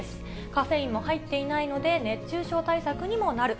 カフェインも入っていないので、熱中症対策にもなる。